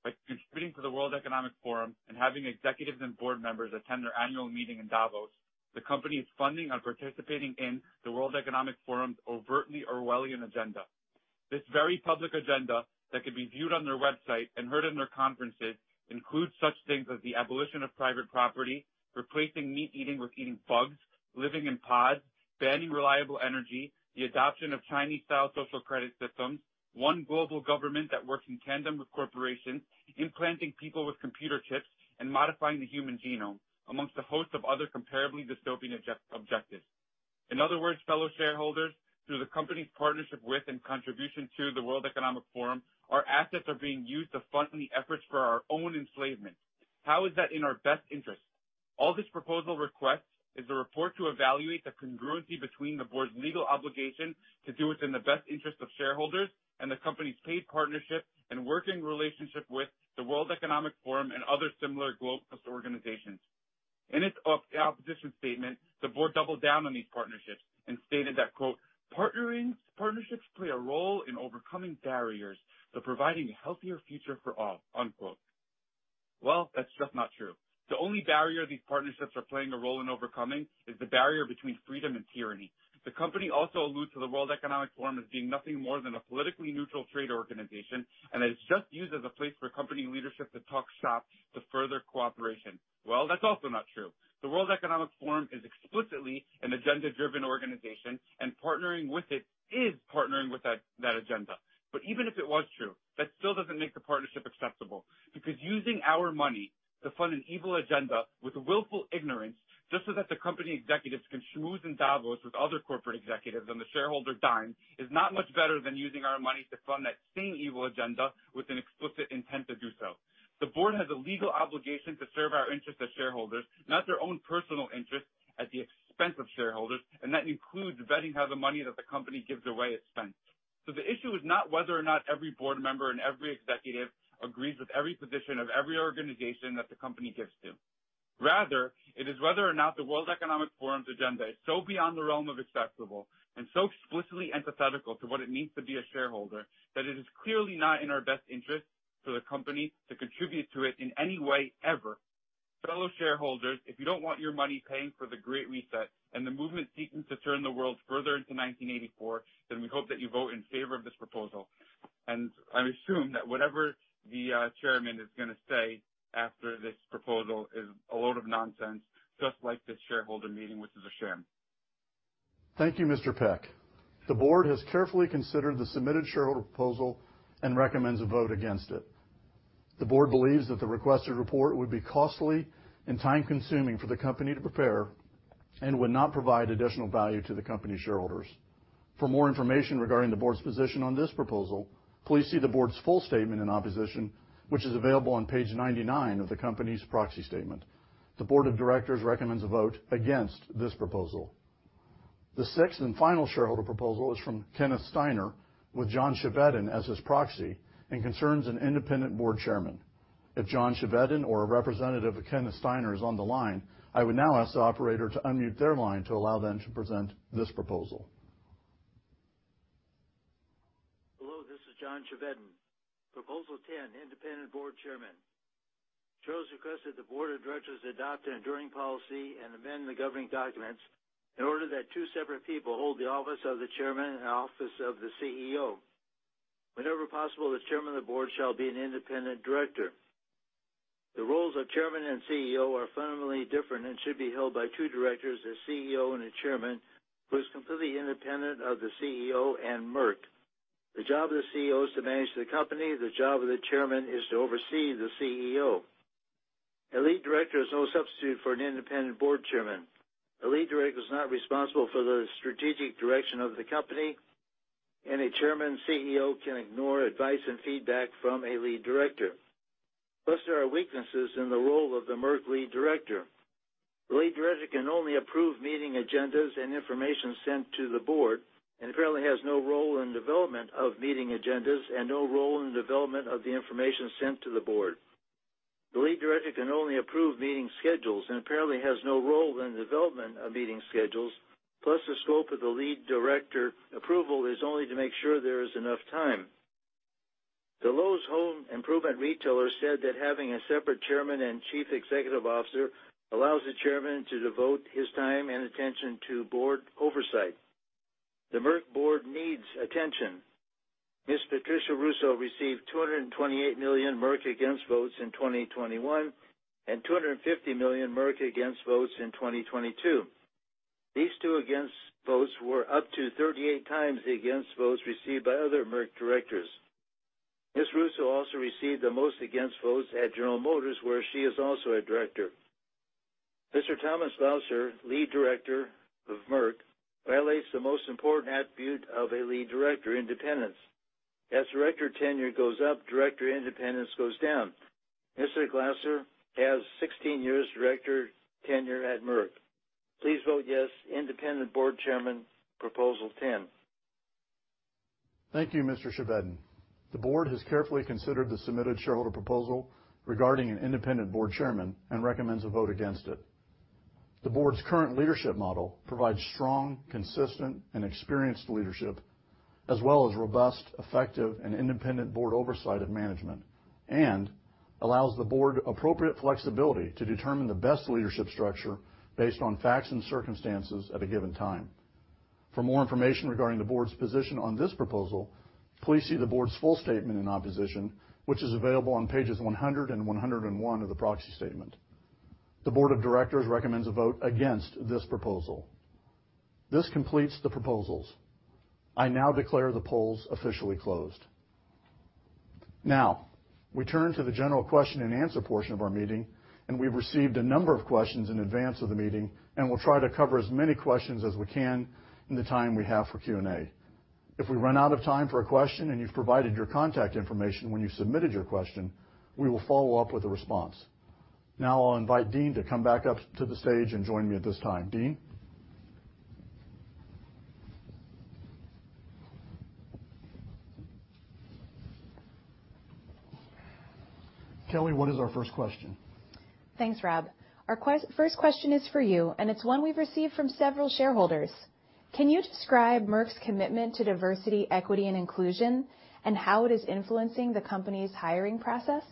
By contributing to the World Economic Forum and having executives and board members attend their annual meeting in Davos. The company's funding on participating in the World Economic Forum's overtly Orwellian agenda. This very public agenda that could be viewed on their website and heard in their conferences includes such things as the abolition of private property, replacing meat eating with eating bugs, living in pods, banning reliable energy, the adoption of Chinese-style social credit systems, one global government that works in tandem with corporations, implanting people with computer chips, and modifying the human genome, amongst a host of other comparably dystopian objectives. In other words, fellow shareholders, through the company's partnership with and contribution to the World Economic Forum, our assets are being used to fund the efforts for our own enslavement. How is that in our best interest? All this proposal requests is the report to evaluate the congruency between the board's legal obligation to do what's in the best interest of shareholders and the company's paid partnership and working relationship with the World Economic Forum and other similar globalist organizations. In its opposition statement, the board doubled down on these partnerships and stated that, quote, "Partnerships play a role in overcoming barriers to providing a healthier future for all," unquote. Well, that's just not true. The only barrier these partnerships are playing a role in overcoming is the barrier between freedom and tyranny. The company also alludes to the World Economic Forum as being nothing more than a politically neutral trade organization, it's just used as a place for company leadership to talk shop to further cooperation. Well, that's also not true. The World Economic Forum is explicitly an agenda-driven organization, partnering with it is partnering with that agenda. Even if it was true, that still doesn't make the partnership acceptable because using our money to fund an evil agenda with willful ignorance, just so that the company executives can schmooze in Davos with other corporate executives on the shareholder dime is not much better than using our money to fund that same evil agenda with an explicit intent to do so. The board has a legal obligation to serve our interest as shareholders, not their own personal interests at the expense of shareholders. That includes vetting how the money that the company gives away is spent. The issue is not whether or not every board member and every executive agrees with every position of every organization that the company gives to, rather it is whether or not the World Economic Forum's agenda is so beyond the realm of acceptable and so explicitly antithetical to what it means to be a shareholder, that it is clearly not in our best interest for the company to contribute to it in any way, ever. Fellow shareholders, if you don't want your money paying for The Great Reset and the movement seeking to turn the world further into 1984, we hope that you vote in favor of this proposal. I assume that whatever the chairman is gonna say after this proposal is a load of nonsense, just like this shareholder meeting, which is a sham. Thank you, Mr. Peck. The board has carefully considered the submitted shareholder proposal and recommends a vote against it. The board believes that the requested report would be costly and time-consuming for the company to prepare and would not provide additional value to the company shareholders. For more information regarding the board's position on this proposal, please see the board's full statement in opposition, which is available on page 99 of the company's proxy statement. The board of directors recommends a vote against this proposal. The sixth and final shareholder proposal is from Kenneth Steiner, with John Chevedden as his proxy, and concerns an independent board chairman. If John Chevedden or a representative of Kenneth Steiner is on the line, I would now ask the operator to unmute their line to allow them to present this proposal. Hello, this is John Chevedden. Proposal 10, independent Board Chairman. Charles requested the Board of Directors adopt an enduring policy and amend the governing documents in order that two separate people hold the office of the Chairman and the office of the CEO. Whenever possible, the Chairman of the Board shall be an independent director. The roles of Chairman and CEO are fundamentally different and should be held by two directors, the CEO and the Chairman, who is completely independent of the CEO and Merck. The job of the CEO is to manage the company. The job of the Chairman is to oversee the CEO. A Lead Director is no substitute for an independent Board Chairman. A Lead Director is not responsible for the strategic direction of the company, and a Chairman CEO can ignore advice and feedback from a Lead Director. There are weaknesses in the role of the Merck lead director. The lead director can only approve meeting agendas and information sent to the board and apparently has no role in development of meeting agendas and no role in the development of the information sent to the board. The lead director can only approve meeting schedules and apparently has no role in the development of meeting schedules. The scope of the lead director approval is only to make sure there is enough time. The Lowe's home improvement retailer said that having a separate chairman and chief executive officer allows the chairman to devote his time and attention to board oversight. The Merck board needs attention. Ms. Patricia Russo received $228 million Merck against votes in 2021 and $250 million Merck against votes in 2022. These two against votes were up to 38 times the against votes received by other Merck directors. Ms. Russo also received the most against votes at General Motors, where she is also a director. Mr. Thomas H. Glocer, Lead Director of Merck, violates the most important attribute of a lead director, independence. As director tenure goes up, director independence goes down. Mr. Glocer has 16 years director tenure at Merck. Please vote yes, independent board chairman, proposal 10. Thank you, Mr. Chevedden. The board has carefully considered the submitted shareholder proposal regarding an independent board chairman and recommends a vote against it. The board's current leadership model provides strong, consistent, and experienced leadership as well as robust, effective, and independent board oversight of management, and allows the board appropriate flexibility to determine the best leadership structure based on facts and circumstances at a given time. For more information regarding the board's position on this proposal, please see the board's full statement in opposition, which is available on pages 100 and 101 of the proxy statement. The board of directors recommends a vote against this proposal. This completes the proposals. I now declare the polls officially closed. We turn to the general question-and-answer portion of our meeting, and we've received a number of questions in advance of the meeting, and we'll try to cover as many questions as we can in the time we have for Q&A. If we run out of time for a question and you've provided your contact information when you submitted your question, we will follow up with a response. I'll invite Dean to come back up to the stage and join me at this time. Dean? Kelly, what is our first question? Thanks, Rob. Our first question is for you, and it's one we've received from several shareholders. Can you describe Merck's commitment to diversity, equity, and inclusion and how it is influencing the company's hiring process?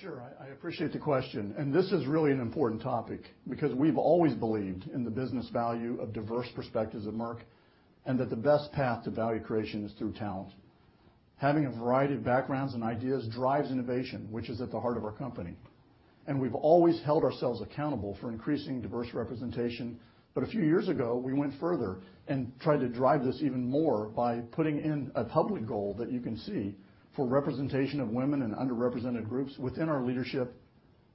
Sure. I appreciate the question. This is really an important topic because we've always believed in the business value of diverse perspectives at Merck, and that the best path to value creation is through talent. Having a variety of backgrounds and ideas drives innovation, which is at the heart of our company. We've always held ourselves accountable for increasing diverse representation. A few years ago, we went further and tried to drive this even more by putting in a public goal that you can see for representation of women and underrepresented groups within our leadership.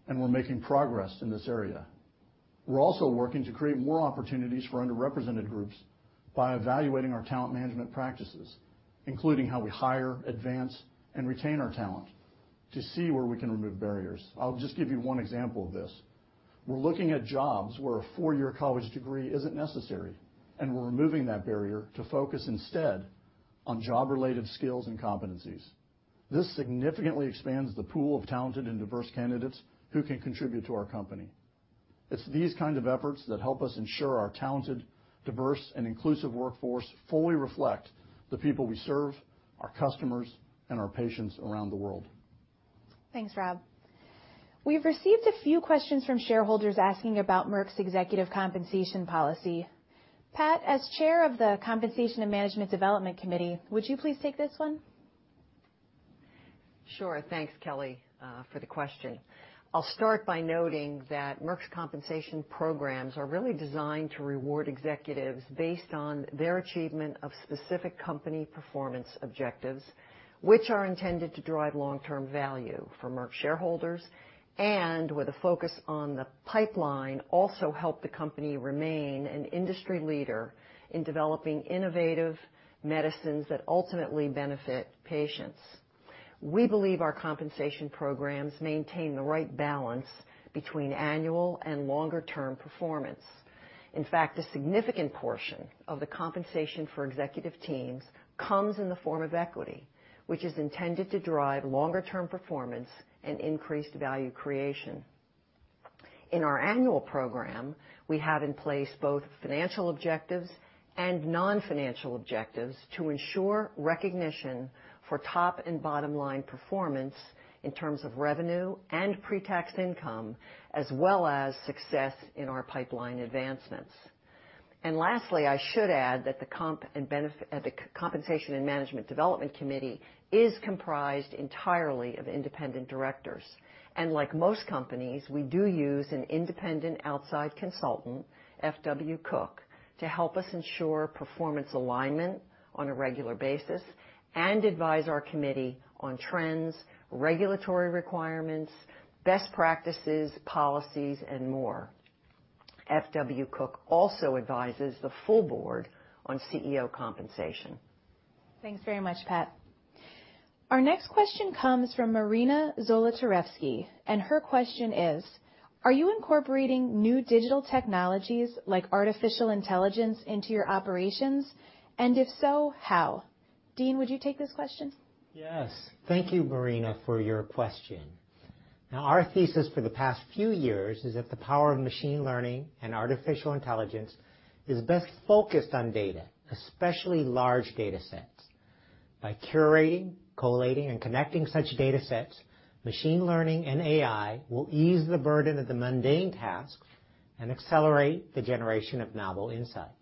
We're making progress in this area. We're also working to create more opportunities for underrepresented groups by evaluating our talent management practices, including how we hire, advance, and retain our talent to see where we can remove barriers. I'll just give you one example of this. We're looking at jobs where a four-year college degree isn't necessary, and we're removing that barrier to focus instead on job-related skills and competencies. This significantly expands the pool of talented and diverse candidates who can contribute to our company. It's these kind of efforts that help us ensure our talented, diverse, and inclusive workforce fully reflect the people we serve, our customers, and our patients around the world. Thanks, Rob. We've received a few questions from shareholders asking about Merck's executive compensation policy. Pat, as Chair of the Compensation and Management Development Committee, would you please take this one? Sure. Thanks, Kelly, for the question. I'll start by noting that Merck's compensation programs are really designed to reward executives based on their achievement of specific company performance objectives, which are intended to drive long-term value for Merck shareholders and, with a focus on the pipeline, also help the company remain an industry leader in developing innovative medicines that ultimately benefit patients. We believe our compensation programs maintain the right balance between annual and longer-term performance. A significant portion of the compensation for executive teams comes in the form of equity, which is intended to drive longer-term performance and increased value creation. In our annual program, we have in place both financial objectives and non-financial objectives to ensure recognition for top and bottom-line performance in terms of revenue and pre-tax income, as well as success in our pipeline advancements. Lastly, I should add that the Compensation and Management Development Committee is comprised entirely of independent directors. Like most companies, we do use an independent outside consultant, FW Cook, to help us ensure performance alignment on a regular basis and advise our committee on trends, regulatory requirements, best practices, policies, and more. FW Cook also advises the full board on CEO compensation. Thanks very much, Pat. Our next question comes from Marina Zolatarevsky, and her question is: Are you incorporating new digital technologies like artificial intelligence into your operations? If so, how? Dean, would you take this question? Yes. Thank you, Marina, for your question. Our thesis for the past few years is that the power of machine learning and artificial intelligence is best focused on data, especially large data sets. By curating, collating, and connecting such data sets, machine learning and AI will ease the burden of the mundane tasks and accelerate the generation of novel insights.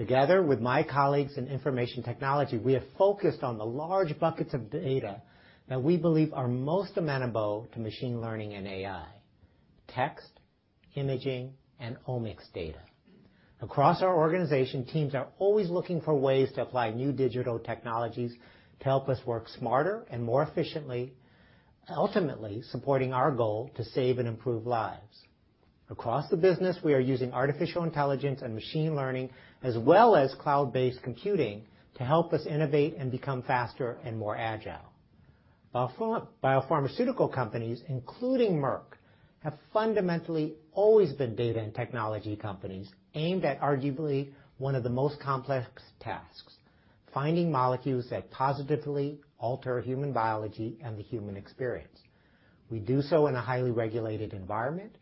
Together with my colleagues in information technology, we have focused on the large buckets of data that we believe are most amenable to machine learning and AI, text, imaging, and omics data. Across our organization, teams are always looking for ways to apply new digital technologies to help us work smarter and more efficiently, ultimately supporting our goal to save and improve lives. Across the business, we are using artificial intelligence and machine learning, as well as cloud-based computing, to help us innovate and become faster and more agile. biopharmaceutical companies, including Merck, have fundamentally always been data and technology companies aimed at arguably one of the most complex tasks, finding molecules that positively alter human biology and the human experience. We do so in a highly regulated environment.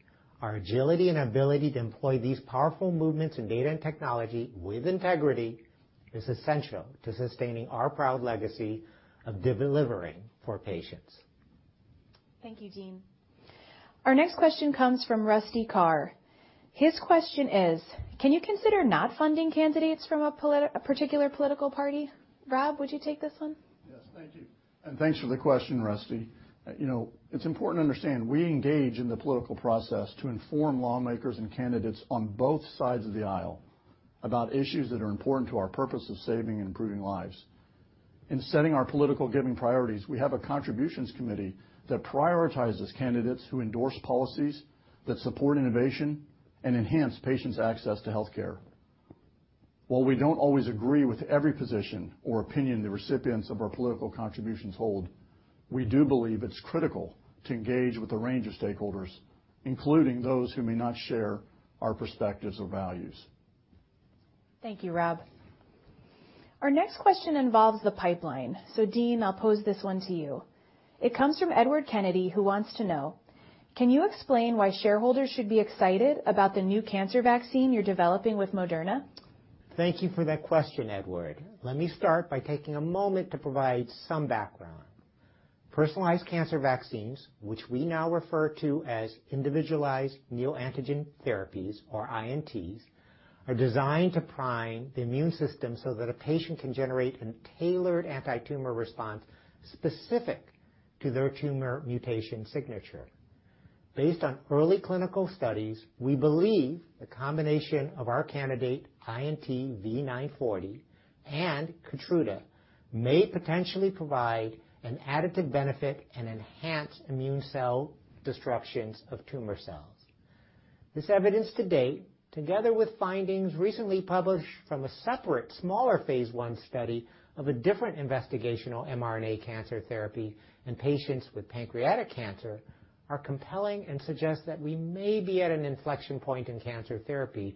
Our agility and ability to employ these powerful movements in data and technology with integrity is essential to sustaining our proud legacy of delivering for patients. Thank you, Dean. Our next question comes from Rusty Carr. His question is: Can you consider not funding candidates from a particular political party? Rob, would you take this one? Yes. Thank you. Thanks for the question, Rusty. You know, it's important to understand, we engage in the political process to inform lawmakers and candidates on both sides of the aisle about issues that are important to our purpose of saving and improving lives. In setting our political giving priorities, we have a contributions committee that prioritizes candidates who endorse policies that support innovation and enhance patients' access to healthcare. While we don't always agree with every position or opinion the recipients of our political contributions hold, we do believe it's critical to engage with a range of stakeholders, including those who may not share our perspectives or values. Thank you, Rob. Our next question involves the pipeline. Dean, I'll pose this one to you. It comes from Edward Kennedy, who wants to know: Can you explain why shareholders should be excited about the new cancer vaccine you're developing with Moderna? Thank you for that question, Edward. Let me start by taking a moment to provide some background. Personalized cancer vaccines, which we now refer to as individualized neoantigen therapies, or INTs, are designed to prime the immune system so that a patient can generate a tailored antitumor response specific to their tumor mutation signature. Based on early clinical studies, we believe the combination of our candidate, INT V940, and KEYTRUDA may potentially provide an additive benefit and enhance immune cell destructions of tumor cells. This evidence to date, together with findings recently published from a separate, smaller Phase I study of a different investigational mRNA cancer therapy in patients with pancreatic cancer, are compelling and suggest that we may be at an inflection point in cancer therapy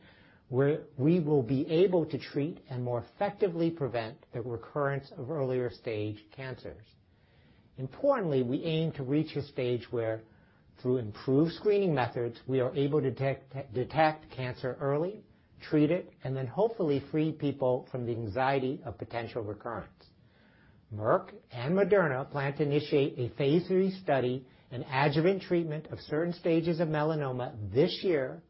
where we will be able to treat and more effectively prevent the recurrence of earlier stage cancers. Importantly, we aim to reach a stage where, through improved screening methods, we are able detect cancer early, treat it, and then hopefully free people from the anxiety of potential recurrence. Merck and Moderna plan to initiate a Phase III study in adjuvant treatment of certain stages of melanoma this year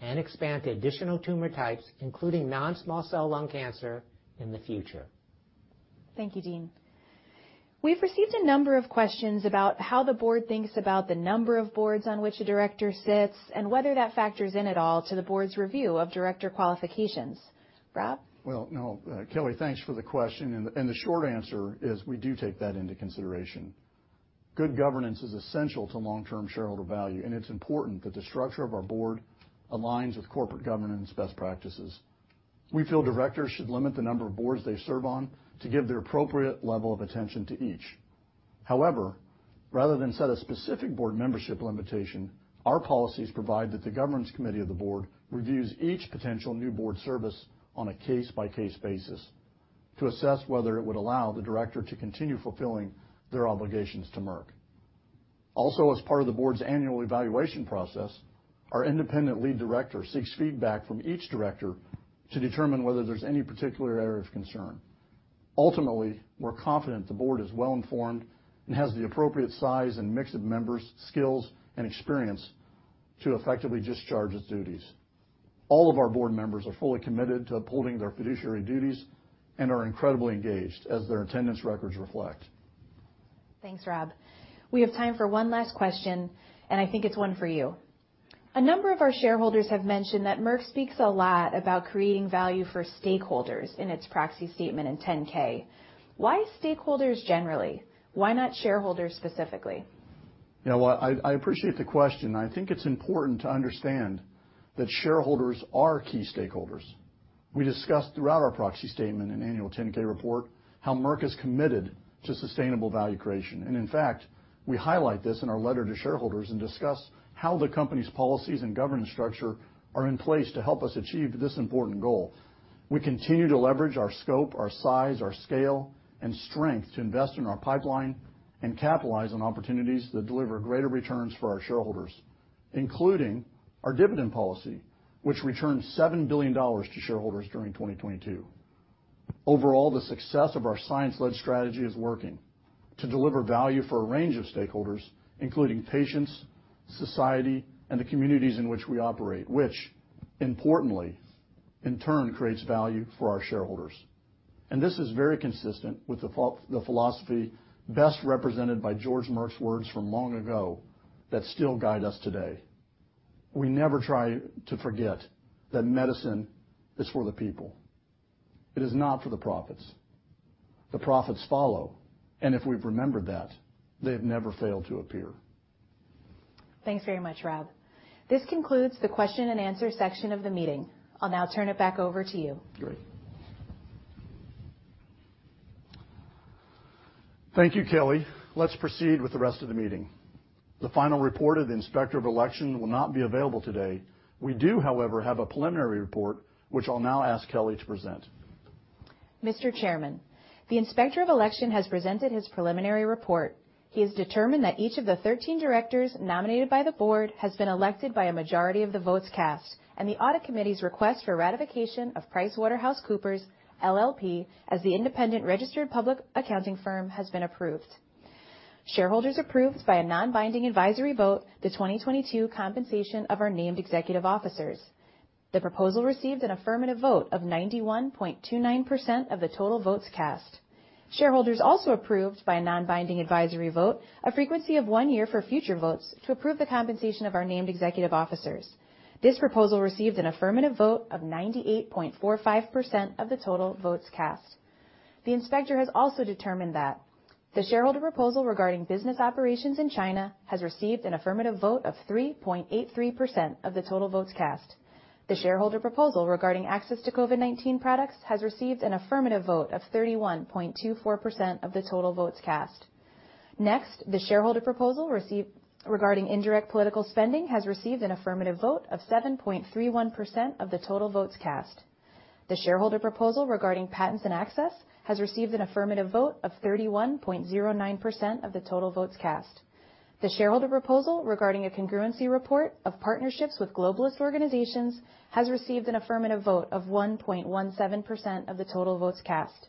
and expand to additional tumor types, including non-small cell lung cancer in the future. Thank you, Dean. We've received a number of questions about how the board thinks about the number of boards on which a director sits, and whether that factors in at all to the board's review of director qualifications. Rob? No. Kelly, thanks for the question. The short answer is we do take that into consideration. Good governance is essential to long-term shareholder value, and it's important that the structure of our board aligns with corporate governance best practices. We feel directors should limit the number of boards they serve on to give the appropriate level of attention to each. However, rather than set a specific board membership limitation, our policies provide that the governance committee of the board reviews each potential new board service on a case-by-case basis to assess whether it would allow the director to continue fulfilling their obligations to Merck. As part of the board's annual evaluation process, our independent lead director seeks feedback from each director to determine whether there's any particular area of concern. Ultimately, we're confident the board is well informed and has the appropriate size and mix of members, skills, and experience to effectively discharge its duties. All of our board members are fully committed to upholding their fiduciary duties and are incredibly engaged, as their attendance records reflect. Thanks, Rob. We have time for one last question, and I think it's one for you. A number of our shareholders have mentioned that Merck speaks a lot about creating value for stakeholders in its proxy statement and 10-K. Why stakeholders generally? Why not shareholders specifically? Well, I appreciate the question. I think it's important to understand that shareholders are key stakeholders. We discussed throughout our proxy statement and annual Form 10-K report how Merck is committed to sustainable value creation. In fact, we highlight this in our letter to shareholders and discuss how the company's policies and governance structure are in place to help us achieve this important goal. We continue to leverage our scope, our size, our scale, and strength to invest in our pipeline and capitalize on opportunities that deliver greater returns for our shareholders, including our dividend policy, which returned $7 billion to shareholders during 2022. Overall, the success of our science-led strategy is working to deliver value for a range of stakeholders, including patients, society, and the communities in which we operate, which importantly, in turn creates value for our shareholders. This is very consistent with the philosophy best represented by George Merck's words from long ago that still guide us today. We never try to forget that medicine is for the people. It is not for the profits. The profits follow, and if we've remembered that, they've never failed to appear. Thanks very much, Rob. This concludes the question and answer section of the meeting. I'll now turn it back over to you. Great. Thank you, Kelly. Let's proceed with the rest of the meeting. The final report of the Inspector of Election will not be available today. We do, however, have a preliminary report, which I'll now ask Kelly to present. Mr. Chairman, the inspector of election has presented his preliminary report. He has determined that each of the 13 directors nominated by the board has been elected by a majority of the votes cast, and the audit committee's request for ratification of PricewaterhouseCoopers LLP as the independent registered public accounting firm has been approved. Shareholders approved by a non-binding advisory vote the 2022 compensation of our named executive officers. The proposal received an affirmative vote of 91.29% of the total votes cast. Shareholders also approved by a non-binding advisory vote, a frequency of 1 year for future votes to approve the compensation of our named executive officers. This proposal received an affirmative vote of 98.45% of the total votes cast. The inspector has also determined that the shareholder proposal regarding business operations in China has received an affirmative vote of 3.83% of the total votes cast. The shareholder proposal regarding access to COVID-19 products has received an affirmative vote of 31.24% of the total votes cast. The shareholder proposal regarding indirect political spending, has received an affirmative vote of 7.31% of the total votes cast. The shareholder proposal regarding patents and access has received an affirmative vote of 31.09% of the total votes cast. The shareholder proposal regarding a congruency report of partnerships with globalist organizations has received an affirmative vote of 1.17% of the total votes cast.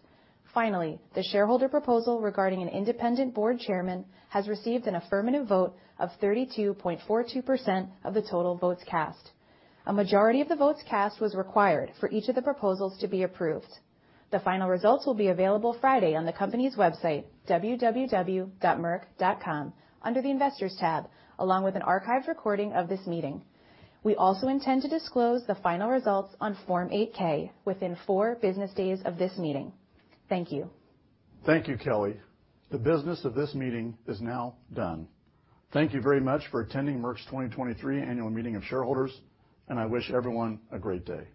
Finally, the shareholder proposal regarding an independent board chairman has received an affirmative vote of 32.42% of the total votes cast. A majority of the votes cast was required for each of the proposals to be approved. The final results will be available Friday on the company's website, www.merck.com, under the Investors tab, along with an archived recording of this meeting. We also intend to disclose the final results on Form 8-K within four business days of this meeting. Thank you. Thank you, Kelly. The business of this meeting is now done. Thank you very much for attending Merck's 2023 Annual Meeting of Shareholders. I wish everyone a great day.